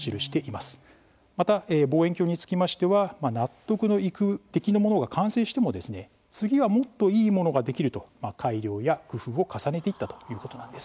また望遠鏡につきましては納得のいく出来のものが完成しても次はもっといいものができると改良や工夫を重ねていったということなんです。